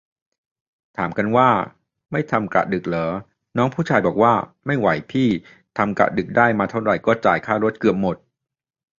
ถามกันว่า ไม่ทำกะดึกเหรอ น้องผู้ชายบอกว่า ไม่ไหวพี่ ทำกะดึกได้มาเท่าไหร่ก็จ่ายค่ารถเกือบหมด